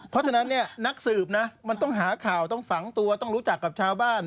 เพราะฉะนั้นเนี่ยนักสืบนะมันต้องหาข่าวต้องฝังตัวต้องรู้จักกับชาวบ้าน